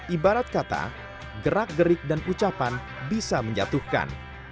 ibarat kata gerak gerik dan ucapan bisa menjatuhkan